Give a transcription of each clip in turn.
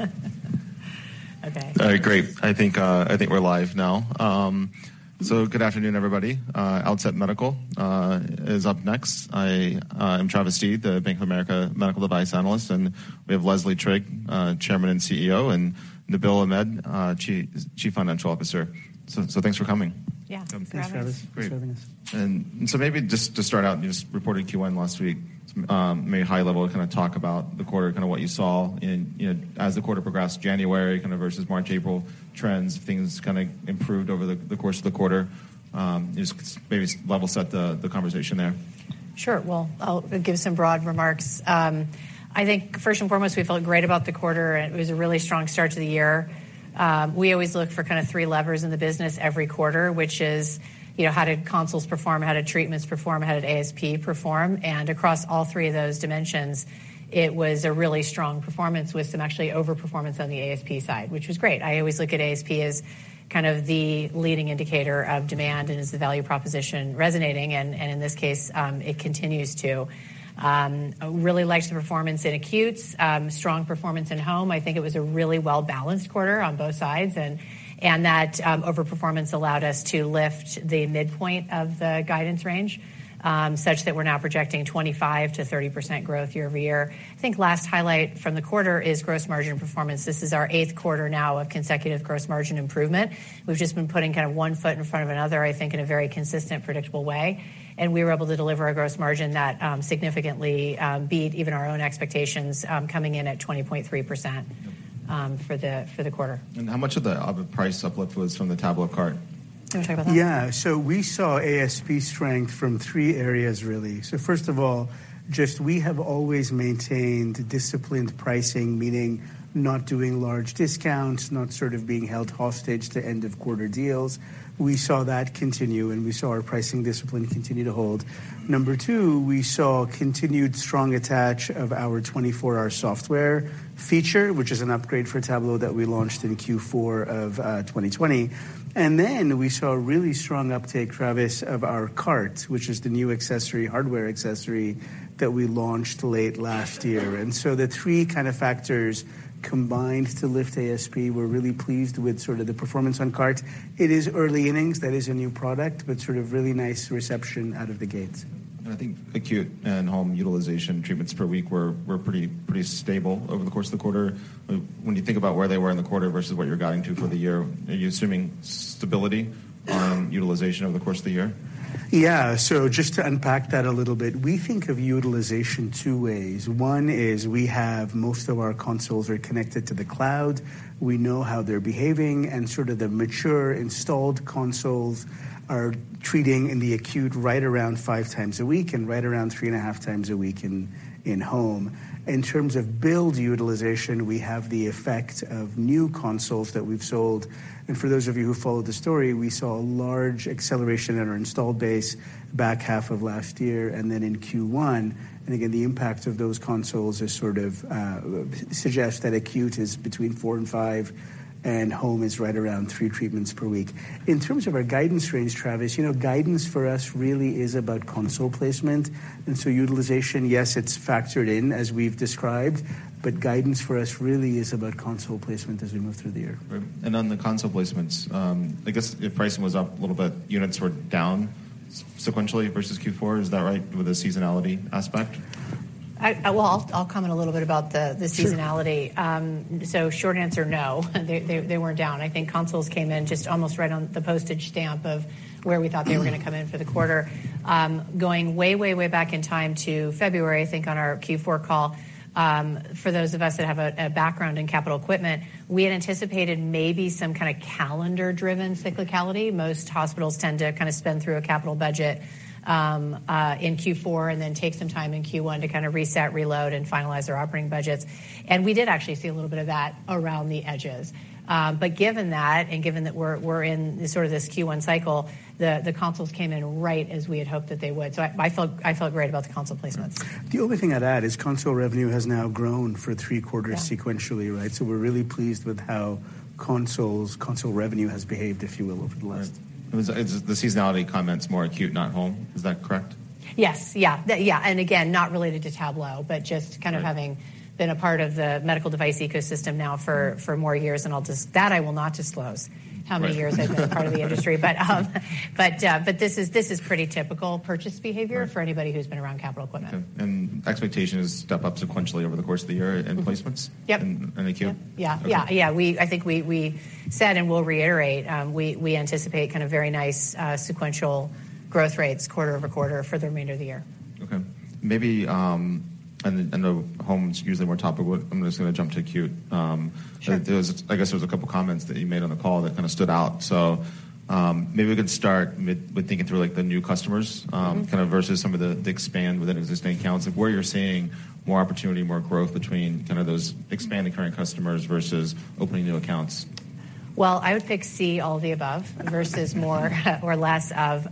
Exactly. Okay. All right, great. I think, I think we're live now. Good afternoon, everybody. Outset Medical is up next. I am Travis Steed, the Bank of America medical device analyst, and we have Leslie Trigg, Chairman and CEO, and Nabeel Ahmed, Chief Financial Officer. Thanks for coming. Yeah. Um. Thanks for having us. Thanks, Travis. Great. Thanks for having us. Maybe just to start out, you just reported Q1 last week. Maybe high level kind of talk about the quarter, kind of what you saw in, you know, as the quarter progressed, January kind of versus March, April trends, if things kind of improved over the course of the quarter? Just maybe level set the conversation there. Sure. Well, I'll give some broad remarks. I think first and foremost, we felt great about the quarter. It was a really strong start to the year. We always look for kind of three levers in the business every quarter, which is, you know, how did consoles perform? How did treatments perform? How did ASP perform? Across all three of those dimensions, it was a really strong performance with some actually overperformance on the ASP side, which was great. I always look at ASP as kind of the leading indicator of demand, and is the value proposition resonating. In this case, it continues to. Really liked the performance in acutes. Strong performance in home. I think it was a really well-balanced quarter on both sides. That overperformance allowed us to lift the midpoint of the guidance range, such that we're now projecting 25%-30% growth year-over-year. I think last highlight from the quarter is gross margin performance. This is our eighth quarter now of consecutive gross margin improvement. We've just been putting kind of one foot in front of another, I think, in a very consistent, predictable way. We were able to deliver a gross margin that significantly beat even our own expectations, coming in at 20.3%. Yep. For the quarter. how much of the price uplift was from the TabloCart? Do you wanna talk about that? We saw ASP strength from three areas, really. First of all, just we have always maintained disciplined pricing, meaning not doing large discounts, not sort of being held hostage to end of quarter deals. We saw that continue, and we saw our pricing discipline continue to hold. Number two, we saw continued strong attach of our 24-hour software feature, which is an upgrade for Tablo that we launched in Q4 of 2020. We saw a really strong uptake, Travis, of our Cart, which is the new accessory, hardware accessory that we launched late last year. The three kind of factors combined to lift ASP. We're really pleased with sort of the performance on Cart. It is early innings. That is a new product, but sort of really nice reception out of the gate. I think acute and home utilization treatments per week were pretty stable over the course of the quarter. When you think about where they were in the quarter versus what you're guiding to for the year, are you assuming utilization over the course of the year? Just to unpack that a little bit, we think of utilization two ways. One is we have most of our consoles are connected to the cloud. We know how they're behaving and sort of the mature installed consoles are treating in the acute right around 5x a week and right around 3.5x a week in home. In terms of build utilization, we have the effect of new consoles that we've sold. For those of you who followed the story, we saw a large acceleration in our installed base back half of last year and then in Q1. Again, the impact of those consoles is sort of suggests that acute is between four and five, and home is right around three treatments per week. In terms of our guidance range, Travis, you know, guidance for us really is about console placement. Utilization, yes, it's factored in as we've described, but guidance for us really is about console placement as we move through the year. Right. On the console placements, I guess if pricing was up a little bit, units were down sequentially versus Q4. Is that right with the seasonality aspect? Well, I'll comment a little bit about the seasonality. Sure. Short answer, no, they weren't down. I think consoles came in just almost right on the postage stamp of where we thought they were gonna come in for the quarter. Going way, way back in time to February, I think on our Q4 call, for those of us that have a background in capital equipment, we had anticipated maybe some kinda calendar-driven cyclicality. Most hospitals tend to kinda spend through a capital budget in Q4 and then take some time in Q1 to kind of reset, reload, and finalize their operating budgets. We did actually see a little bit of that around the edges. Given that, and given that we're in sort of this Q1 cycle, the consoles came in right as we had hoped that they would. I felt great about the console placements. Okay. The only thing I'd add is console revenue has now grown for three quarters. Yeah. sequentially, right? We're really pleased with how consoles, console revenue has behaved, if you will, over the last- Right. Is the seasonality comment's more acute, not home. Is that correct? Yes. Yeah. Yeah. again, not related to Tablo, but just... Right. having been a part of the medical device ecosystem now for more years, and that I will not disclose how many years I've been part of the industry. This is pretty typical purchase behavior. Right. for anybody who's been around capital equipment. Okay. Expectation is to step up sequentially over the course of the year in placements? Mm-hmm. Yep. In the queue? Yeah. Yeah. Okay. Yeah. I think we said and will reiterate, we anticipate kind of very nice sequential growth rates quarter-over-quarter for the remainder of the year. Okay. Maybe, I know home's usually a more topic, but I'm just gonna jump to acute. Sure. I guess there's a couple comments that you made on the call that kinda stood out. Maybe we could start with thinking through, like, the new customers, kind of versus some of the expand within existing accounts of where you're seeing more opportunity, more growth between kind of those expanding current customers versus opening new accounts. Well, I would pick C, all of the above versus more or less of.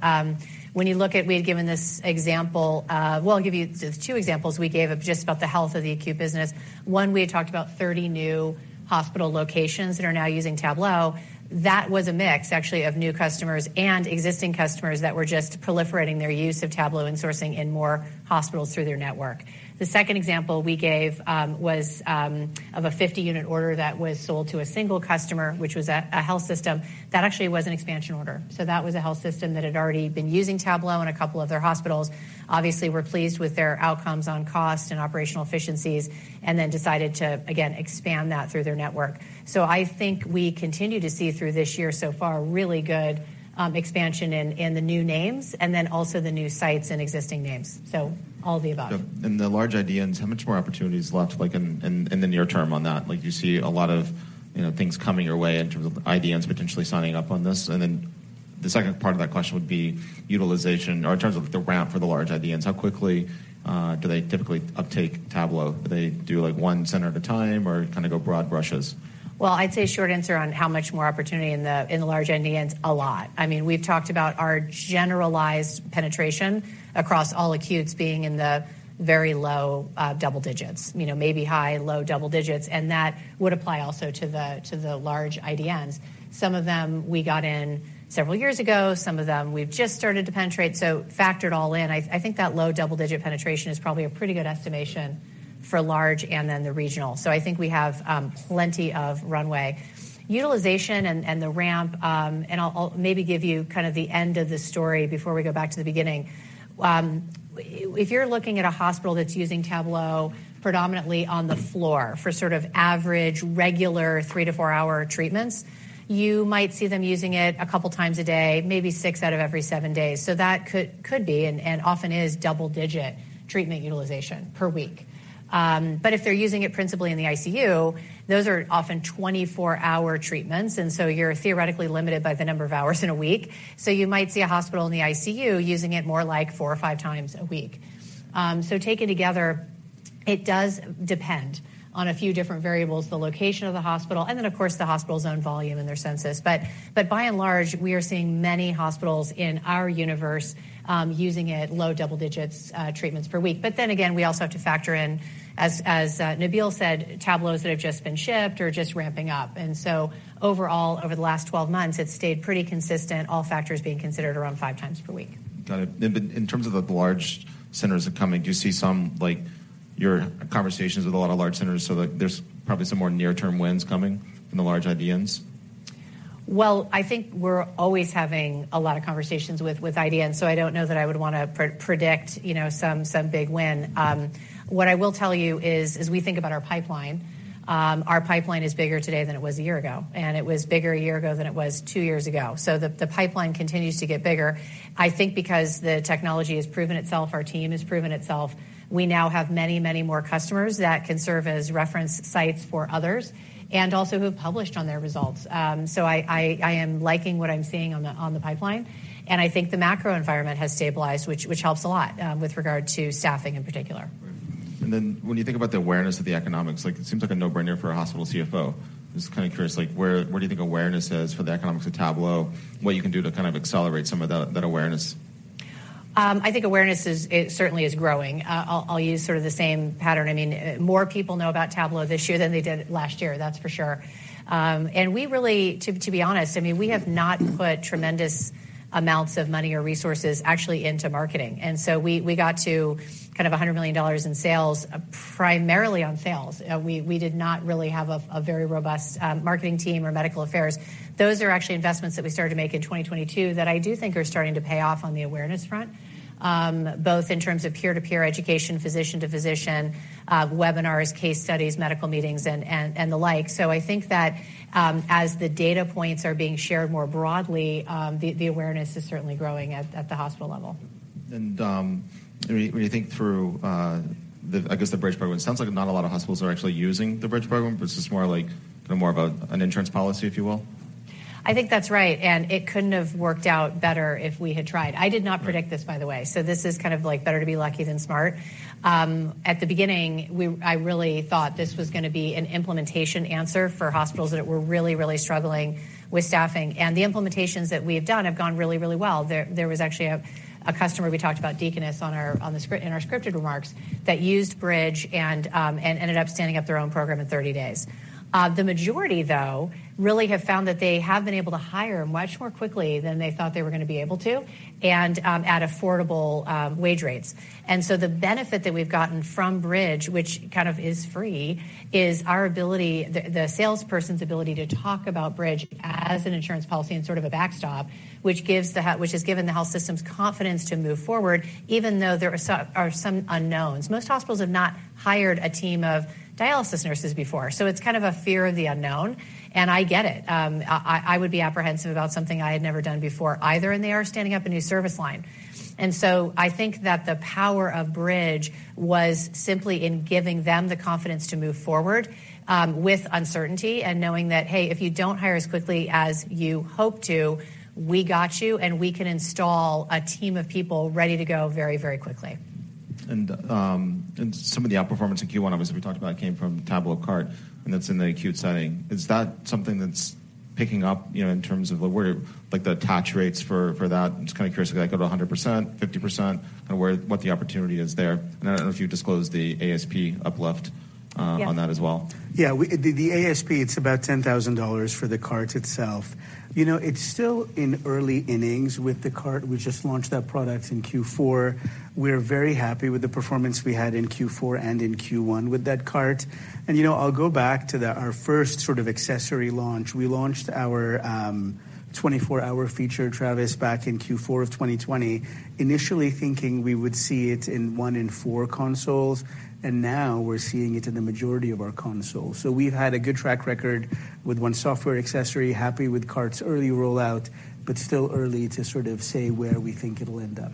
We had given this example, well, I'll give you the two examples we gave of just about the health of the acute business. One, we had talked about 30 new hospital locations that are now using Tablo. That was a mix actually of new customers and existing customers that were just proliferating their use of Tablo and sourcing in more hospitals through their network. The second example we gave was of a 50-unit order that was sold to a single customer, which was a health system that actually was an expansion order. That was a health system that had already been using Tablo, and a couple of their hospitals obviously were pleased with their outcomes on cost and operational efficiencies and then decided to again expand that through their network. I think we continue to see through this year so far really good expansion in the new names and then also the new sites and existing names. All the above. Yeah. The large IDNs, how much more opportunity is left, like in the near term on that? You see a lot of, you know, things coming your way in terms of IDNs potentially signing up on this. The second part of that question would be utilization or in terms of the ramp for the large IDNs, how quickly do they typically uptake Tablo? Do they do like one center at a time or kind of go broad brushes? Well, I'd say short answer on how much more opportunity in the, in the large IDNs, a lot. I mean, we've talked about our generalized penetration across all acutes being in the very low double digits. You know, maybe high, low double digits. That would apply also to the, to the large IDNs. Some of them we got in several years ago, some of them we've just started to penetrate. Factored all in, I think that low double-digit penetration is probably a pretty good estimation for large and then the regional. I think we have plenty of runway. Utilization and the ramp, and I'll maybe give you kind of the end of the story before we go back to the beginning. If you're looking at a hospital that's using Tablo predominantly on the floor for sort of average regular three to four-hour treatments, you might see them using it a couple times a day, maybe six out of every seven days. That could be and often is double-digit treatment utilization per week. If they're using it principally in the ICU, those are often 24-hour treatments. You're theoretically limited by the number of hours in a week. You might see a hospital in the ICU using it more like four or five times a week. Taken together, it does depend on a few different variables, the location of the hospital, and then of course the hospital's own volume and their census. By and large, we are seeing many hospitals in our universe using it low double digits treatments per week. Then again, we also have to factor in as Nabeel said, Tablos that have just been shipped or just ramping up. Overall, over the last 12 months, it's stayed pretty consistent, all factors being considered around five times per week. Got it. In terms of the large centers that are coming, do you see some like your conversations with a lot of large centers so that there's probably some more near-term wins coming from the large IDNs? I think we're always having a lot of conversations with IDN, so I don't know that I would wanna predict, you know, some big win. What I will tell you is as we think about our pipeline, our pipeline is bigger today than it was a year ago, and it was bigger a year ago than it was two years ago. The pipeline continues to get bigger. I think because the technology has proven itself, our team has proven itself. We now have many more customers that can serve as reference sites for others and also who have published on their results. So I am liking what I'm seeing on the pipeline, and I think the macro environment has stabilized, which helps a lot with regard to staffing in particular. Great. When you think about the awareness of the economics, like it seems like a no-brainer for a hospital CFO. Just kind of curious, like where do you think awareness is for the economics of Tablo and what you can do to kind of accelerate some of that awareness? I think awareness it certainly is growing. I'll use sort of the same pattern. I mean, more people know about Tablo this year than they did last year, that's for sure. We really to be honest, I mean, we have not put tremendous amounts of money or resources actually into marketing, we got to kind of $100 million in sales primarily on sales. We did not really have a very robust marketing team or medical affairs. Those are actually investments that we started to make in 2022 that I do think are starting to pay off on the awareness front, both in terms of peer-to-peer education, physician to physician, webinars, case studies, medical meetings and the like. I think that, as the data points are being shared more broadly, the awareness is certainly growing at the hospital level. When you think through, I guess the Bridge Program, it sounds like not a lot of hospitals are actually using the Bridge Program, but it's just more like a, an insurance policy, if you will. I think that's right. It couldn't have worked out better if we had tried. I did not predict this, by the way. This is kind of like better to be lucky than smart. At the beginning, I really thought this was gonna be an implementation answer for hospitals that were really, really struggling with staffing. The implementations that we have done have gone really, really well. There was actually a customer we talked about, Deaconess, in our scripted remarks, that used Bridge and ended up standing up their own program in 30 days. The majority, though, really have found that they have been able to hire much more quickly than they thought they were gonna be able to and at affordable wage rates. The benefit that we've gotten from Bridge, which kind of is free, is our ability, the salesperson's ability to talk about Bridge as an insurance policy and sort of a backstop, which has given the health systems confidence to move forward even though there are some unknowns. Most hospitals have not hired a team of dialysis nurses before, so it's kind of a fear of the unknown, and I get it. I would be apprehensive about something I had never done before either, and they are standing up a new service line. I think that the power of Bridge was simply in giving them the confidence to move forward with uncertainty and knowing that, "Hey, if you don't hire as quickly as you hope to, we got you, and we can install a team of people ready to go very, very quickly. Some of the outperformance in Q1, obviously, we talked about came from TabloCart, and that's in the acute setting. Is that something that's picking up, you know, in terms of what we're Like the attach rates for that? Just kind of curious if that go to 100%, 50%, or where what the opportunity is there. I don't know if you've disclosed the ASP uplift. Yeah. on that as well. Yeah. The ASP, it's about $10,000 for the cart itself. You know, it's still in early innings with the cart. We just launched that product in Q4. We're very happy with the performance we had in Q4 and in Q1 with that cart. You know, I'll go back to our first sort of accessory launch. We launched our 24-hour feature, Travis, back in Q4 of 2020, initially thinking we would see it in one in four consoles, now we're seeing it in the majority of our consoles. We've had a good track record with one software accessory, happy with cart's early rollout, but still early to sort of say where we think it'll end up.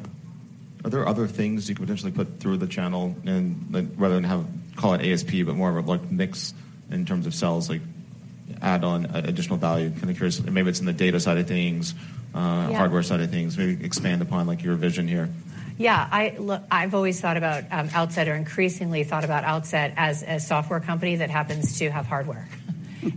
Are there other things you could potentially put through the channel and like, rather than have call it ASP, but more of a like mix in terms of sales, like add on additional value? I'm kind of curious. Maybe it's in the data side of things. Yeah. hardware side of things. Maybe expand upon, like, your vision here. I, look, I've always thought about Outset or increasingly thought about Outset as a software company that happens to have hardware.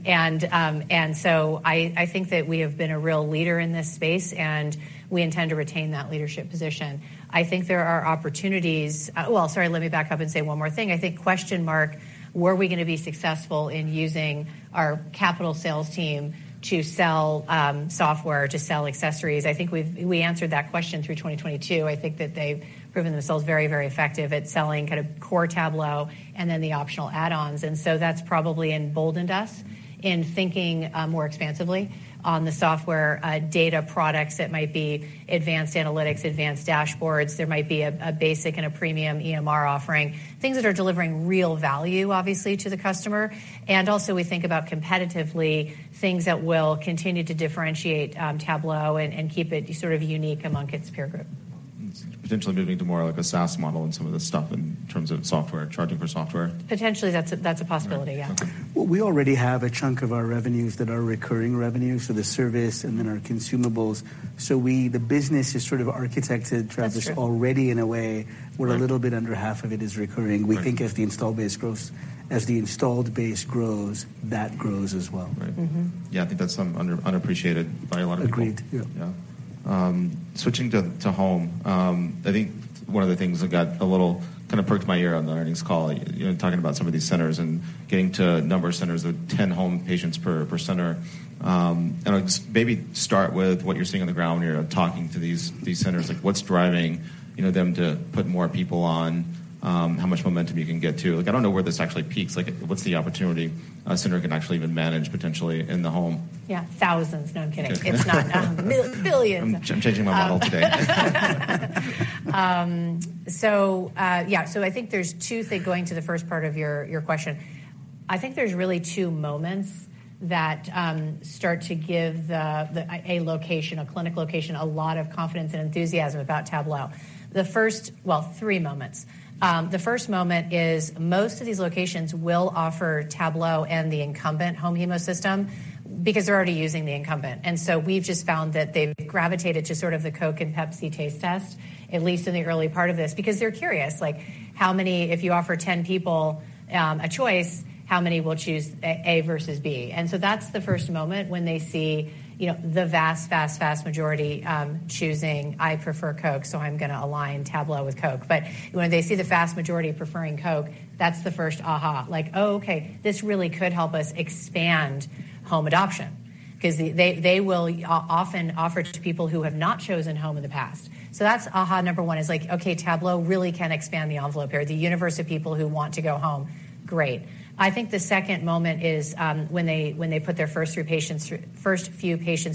I think that we have been a real leader in this space, and we intend to retain that leadership position. I think there are opportunities... well, sorry, let me back up and say one more thing. I think question mark, were we gonna be successful in using our capital sales team to sell, software, to sell accessories? I think we answered that question through 2022. I think that they've proven themselves very, very effective at selling kind of core Tablo and then the optional add-ons. That's probably emboldened us in thinking, more expansively on the software, data products that might be advanced analytics, advanced dashboards. There might be a basic and a premium EMR offering, things that are delivering real value, obviously, to the customer. Also we think about competitively things that will continue to differentiate, Tablo and keep it sort of unique among its peer group. Potentially moving to more of like a SaaS model in some of the stuff in terms of software, charging for software. Potentially, that's a, that's a possibility. All right. Yeah. We already have a chunk of our revenues that are recurring revenues, so the service and then our consumables. The business is sort of architected. That's true. already in a way Right. where a little bit under half of it is recurring. Right. We think as the installed base grows, that grows as well. Right. Mm-hmm. Yeah. I think that's some unappreciated by a lot of people. Agreed. Yeah. Switching to home. I think one of the things that kind of perked my ear on the earnings call, you know, talking about some of these centers and getting to a number of centers with 10 home patients per center. Like maybe start with what you're seeing on the ground when you're talking to these centers. Like, what's driving, you know, them to put more people on, how much momentum you can get to? Like, I don't know where this actually peaks. Like what's the opportunity a center can actually even manage potentially in the home? Yeah. Thousands. No, I'm kidding. It's not. Millions. I'm changing my model today. Yeah. I think there's two things going to the first part of your question. I think there's really two moments that start to give a location, a clinic location, a lot of confidence and enthusiasm about Tablo. Well, three moments. The first moment is most of these locations will offer Tablo and the incumbent home hemo system because they're already using the incumbent. We've just found that they've gravitated to sort of the Coke and Pepsi taste test, at least in the early part of this, because they're curious. Like, if you offer 10 people a choice, how many will choose A versus B? That's the first moment when they see, you know, the vast majority choosing, "I prefer Coke, so I'm gonna align Tablo with Coke." When they see the vast majority preferring Coke, that's the first aha. Oh, okay, this really could help us expand home adoption. Because they will often offer it to people who have not chosen home in the past. That's aha number one is like, okay, Tablo really can expand the envelope here. The universe of people who want to go home, great. The second moment is, when they put their first few patients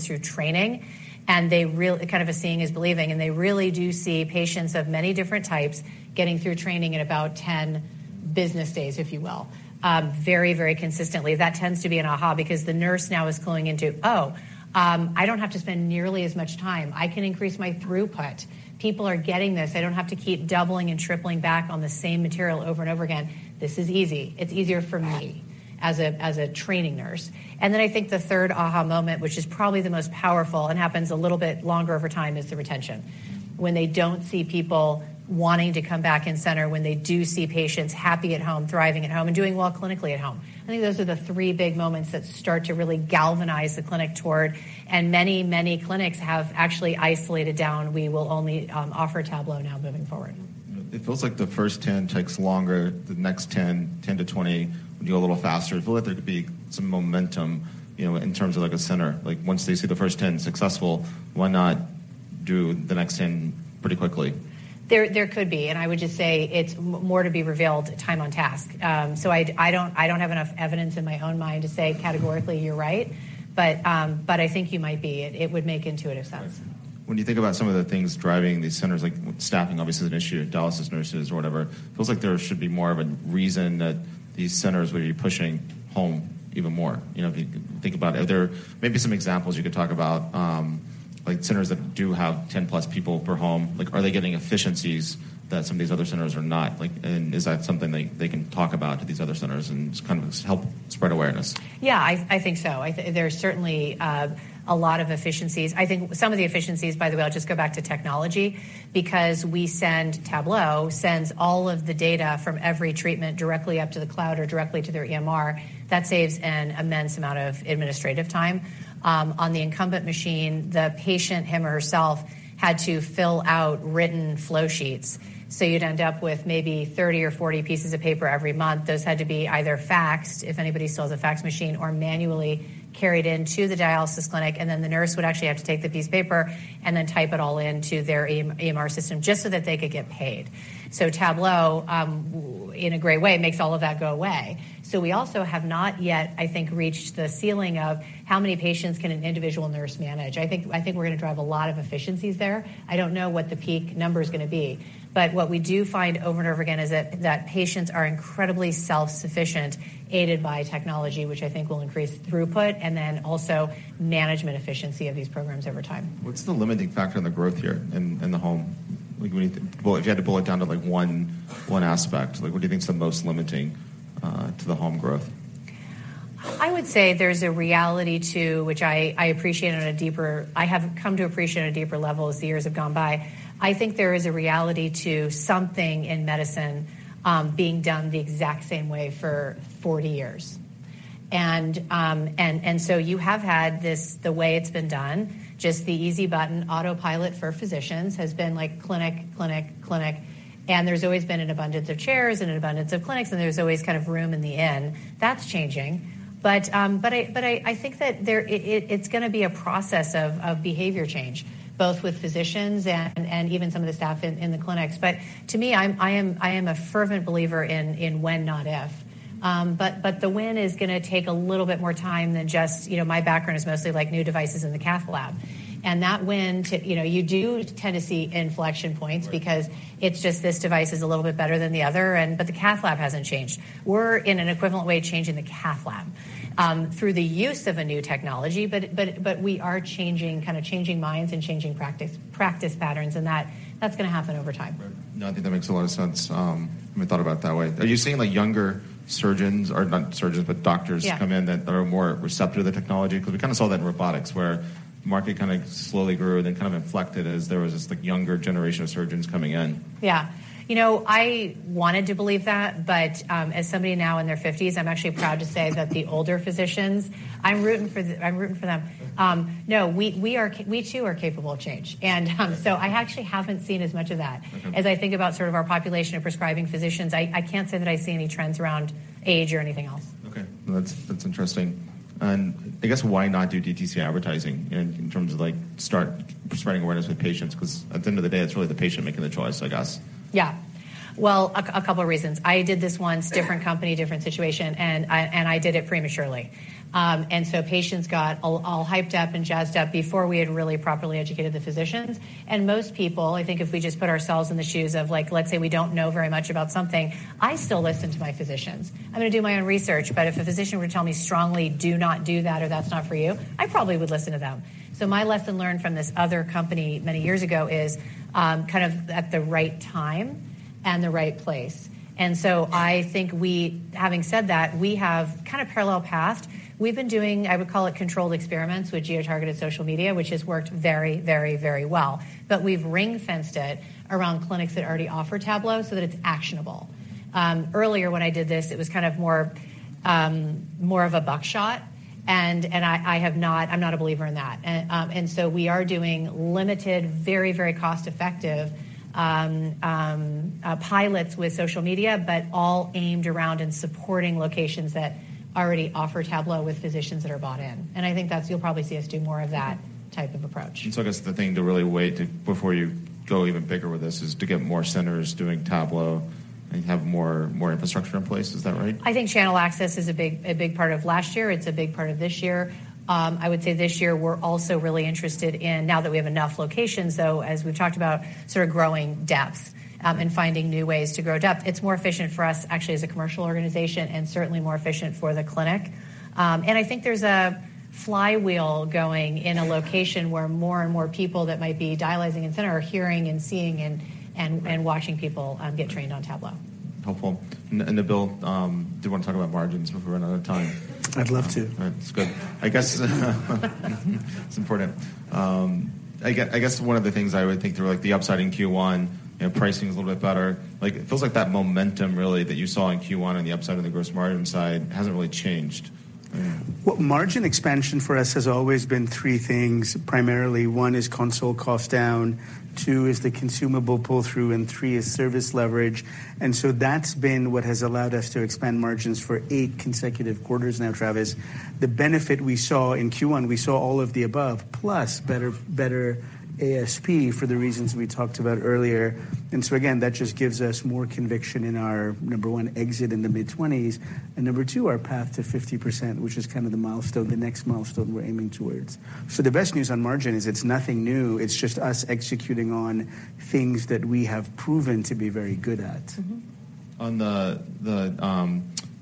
through training, and kind of a seeing is believing, and they really do see patients of many different types getting through training in about 10 business days, if you will, very, very consistently. That tends to be an aha because the nurse now is going into, "Oh, I don't have to spend nearly as much time. I can increase my throughput. People are getting this. I don't have to keep doubling and tripling back on the same material over and over again. This is easy. It's easier for me as a training nurse." Then I think the third aha moment, which is probably the most powerful and happens a little bit longer over time, is the retention. When they don't see people wanting to come back in center, when they do see patients happy at home, thriving at home, and doing well clinically at home. I think those are the three big moments that start to really galvanize the clinic toward, and many, many clinics have actually isolated down. We will only offer Tablo now moving forward. It feels like the first 10 takes longer. The next 10-20 go a little faster. I feel like there could be some momentum, you know, in terms of like a center. Like, once they see the first 10 successful, why not do the next 10 pretty quickly? There could be. I would just say it's more to be revealed time on task. I don't have enough evidence in my own mind to say categorically you're right, but I think you might be. It would make intuitive sense. When you think about some of the things driving these centers, like staffing obviously is an issue, dialysis nurses or whatever, it feels like there should be more of a reason that these centers would be pushing home even more. You know, if you think about are there maybe some examples you could talk about, Like centers that do have 10+ people per home? Like are they getting efficiencies that some of these other centers are not? Is that something they can talk about to these other centers and just kind of help spread awareness? Yeah, I think so. There's certainly a lot of efficiencies. I think some of the efficiencies, by the way, I'll just go back to technology, because Tablo sends all of the data from every treatment directly up to the cloud or directly to their EMR. That saves an immense amount of administrative time. On the incumbent machine, the patient, him or herself, had to fill out written flow sheets. You'd end up with maybe 30 or 40 pieces of paper every month. Those had to be either faxed, if anybody still has a fax machine, or manually carried into the dialysis clinic, and then the nurse would actually have to take the piece of paper and then type it all into their EMR system just so that they could get paid. Tablo in a great way, makes all of that go away. We also have not yet, I think, reached the ceiling of how many patients can an individual nurse manage. I think we're gonna drive a lot of efficiencies there. I don't know what the peak number is gonna be. What we do find over and over again is that patients are incredibly self-sufficient, aided by technology, which I think will increase throughput and then also management efficiency of these programs over time. What's the limiting factor on the growth here in the home? Like Well, if you had to boil it down to like one aspect, like what do you think is the most limiting to the home growth? I would say there's a reality to which I have come to appreciate on a deeper level as the years have gone by. I think there is a reality to something in medicine, being done the exact same way for 40 years. You have had this the way it's been done, just the easy button autopilot for physicians has been like clinic, clinic, and there's always been an abundance of chairs and an abundance of clinics, and there's always kind of room in the inn. That's changing. I think that there it's gonna be a process of behavior change, both with physicians and even some of the staff in the clinics. To me, I am a fervent believer in when, not if. The when is gonna take a little bit more time than just, you know, my background is mostly like new devices in the cath lab. That when to, you know, you do tend to see inflection points- Right. because it's just this device is a little bit better than the other and but the cath lab hasn't changed. We're in an equivalent way changing the cath lab through the use of a new technology. We are changing, kind of changing minds and changing practice patterns, and that's gonna happen over time. Right. No, I think that makes a lot of sense, when I thought about it that way. Are you seeing like younger surgeons or not surgeons, but doctors? Yeah. come in that are more receptive to the technology? 'Cause we kind of saw that in robotics where market kind of slowly grew, then kind of inflected as there was this like younger generation of surgeons coming in. You know, I wanted to believe that, but, as somebody now in their fifties, I'm actually proud to say that the older physicians, I'm rooting for them. No, we too are capable of change. So I actually haven't seen as much of that. Okay. As I think about sort of our population of prescribing physicians, I can't say that I see any trends around age or anything else. Okay. That's interesting. I guess why not do DTC advertising in terms of like start spreading awareness with patients? 'Cause at the end of the day, it's really the patient making the choice, I guess. A couple of reasons. I did this once, different company, different situation, and I, and I did it prematurely. Patients got all hyped up and jazzed up before we had really properly educated the physicians. Most people, I think if we just put ourselves in the shoes of like, let's say, we don't know very much about something, I still listen to my physicians. I'm gonna do my own research, but if a physician were to tell me strongly, "Do not do that," or, "That's not for you," I probably would listen to them. My lesson learned from this other company many years ago is kind of at the right time and the right place. I think having said that, we have kind of parallel path. We've been doing, I would call it controlled experiments with geo-targeted social media, which has worked very, very, very well. We've ring-fenced it around clinics that already offer Tablo so that it's actionable. Earlier when I did this, it was kind of more, more of a buckshot. I'm not a believer in that. So we are doing limited, very, very cost-effective pilots with social media, but all aimed around in supporting locations that already offer Tablo with physicians that are bought in. I think that's you'll probably see us do more of that. Mm-hmm. -type of approach. I guess the thing to really wait before you go even bigger with this is to get more centers doing Tablo and have more infrastructure in place. Is that right? I think channel access is a big part of last year. It's a big part of this year. I would say this year we're also really interested in, now that we have enough locations, though, as we've talked about sort of growing depth, and finding new ways to grow depth. It's more efficient for us, actually, as a commercial organization and certainly more efficient for the clinic. I think there's a flywheel going in a location where more and more people that might be dialyzing in center are hearing and seeing and. Right. Watching people, get trained on Tablo. Helpful. Nabeel, do you wanna talk about margins before we run out of time? I'd love to. All right. That's good. I guess it's important. I guess one of the things I would think through, like the upside in Q1, you know, pricing is a little bit better. Like, it feels like that momentum really that you saw in Q1 on the upside of the gross margin side hasn't really changed. Yeah. Well, margin expansion for us has always been three things. Primarily, one is console cost down, two is the consumable pull-through, and three is service leverage. That's been what has allowed us to expand margins for eight consecutive quarters now, Travis. The benefit we saw in Q1, we saw all of the above, plus better ASP for the reasons we talked about earlier. Again, that just gives us more conviction in our, number one, exit in the mid-20s, and number two, our path to 50%, which is kind of the milestone, the next milestone we're aiming towards. The best news on margin is it's nothing new. It's just us executing on things that we have proven to be very good at. Mm-hmm. On the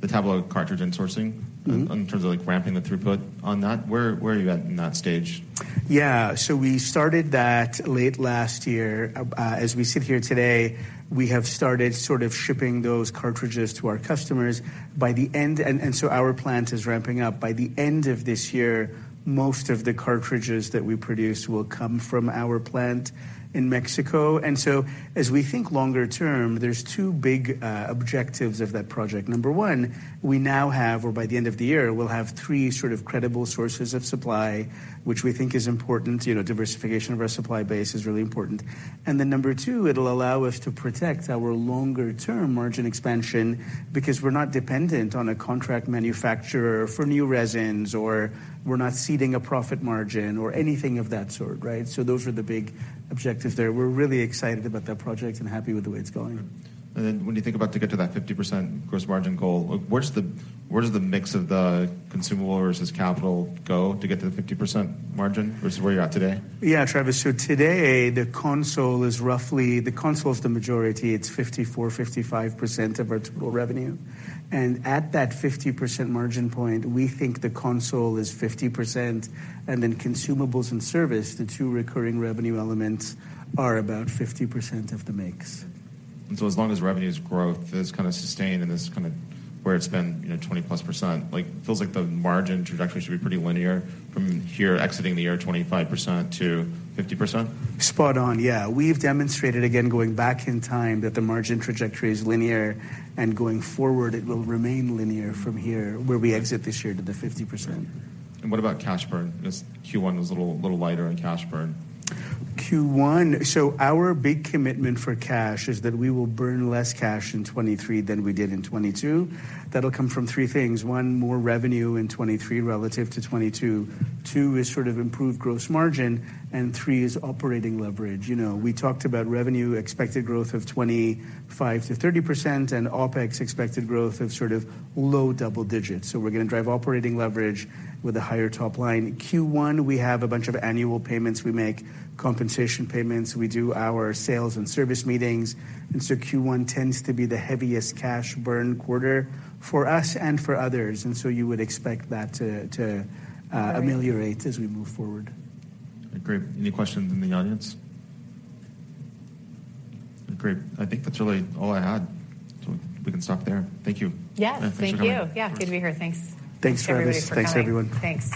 Tablo cartridge and sourcing. Mm-hmm. in terms of like ramping the throughput on that, where are you at in that stage? Yeah. We started that late last year. As we sit here today, we have started sort of shipping those cartridges to our customers. Our plant is ramping up. By the end of this year, most of the cartridges that we produce will come from our plant in Mexico. As we think longer term, there's two big objectives of that project. Number one, we now have, or by the end of the year, we'll have three sort of credible sources of supply, which we think is important. You know, diversification of our supply base is really important. Number two, it'll allow us to protect our longer term margin expansion because we're not dependent on a contract manufacturer for new resins or we're not ceding a profit margin or anything of that sort, right? Those are the big objectives there. We're really excited about that project and happy with the way it's going. When you think about to get to that 50% gross margin goal, where's the mix of the consumable versus capital go to get to the 50% margin versus where you're at today? Travis. Today the console is the majority. It's 54%, 55% of our total revenue. At that 50% margin point, we think the console is 50%, and then consumables and service, the two recurring revenue elements, are about 50% of the mix. As long as revenues growth is sustained and is where it's been, you know, 20%+, like, it feels like the margin trajectory should be pretty linear from here exiting the year 25%-50%. Spot on. Yeah. We've demonstrated again going back in time that the margin trajectory is linear, and going forward it will remain linear from here where we exit this year to the 50%. What about cash burn? Just Q1 was a little lighter on cash burn. Our big commitment for cash is that we will burn less cash in 2023 than we did in 2022. That'll come from three things. One, more revenue in 2023 relative to 2022. Two is sort of improved gross margin, and three is operating leverage. You know, we talked about revenue expected growth of 25%-30% and OpEx expected growth of sort of low double digits. We're gonna drive operating leverage with a higher top line. Q1, we have a bunch of annual payments. We make compensation payments. We do our sales and service meetings. Q1 tends to be the heaviest cash burn quarter for us and for others. You would expect that to ameliorate as we move forward. Great. Any questions in the audience? Great. I think that's really all I had, so we can stop there. Thank you. Yes. Thank you. Appreciate it. Yeah. Good to be here. Thanks. Thanks, Travis. Thanks, everyone. Thanks.